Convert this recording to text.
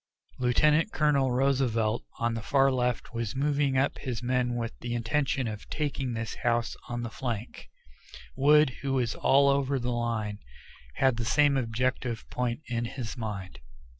Lieutenant Colonel Roosevelt on the far left was moving up his men with the intention of taking this house on the flank; Wood, who was all over the line, had the same objective point in his mind.